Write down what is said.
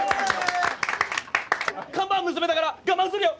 看板娘だから我慢するよ！